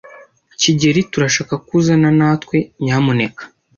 kigeli, turashaka ko uzana natwe, nyamuneka.